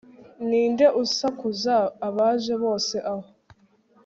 Ninde usakuza abaje bose aho